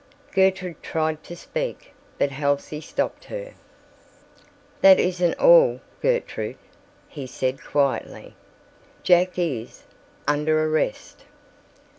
Gertrude tried to speak, but Halsey stopped her. "That isn't all, Gertrude," he said quietly; "Jack is—under arrest."